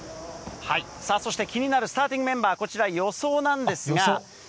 さあ、そして気になるスターティングメンバー、こちら、予想なんですが。